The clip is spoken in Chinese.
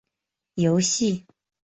游戏